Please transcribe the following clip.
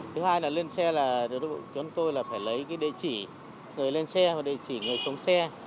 thứ hai là lên xe là chúng tôi phải lấy địa chỉ người lên xe và địa chỉ người xuống xe